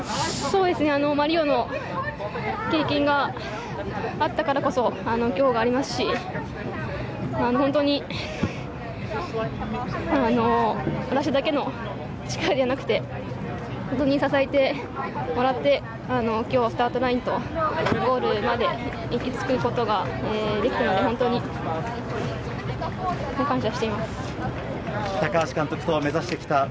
リオの経験があったからこそ今日がありますし、本当に私だけの力じゃなくて、支えてもらって今日はスタートラインとゴールまで行き着くことができたので、本当に感謝しています。